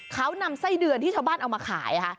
เขานำไส้เดือนที่ชาวบ้านเอามาขายค่ะ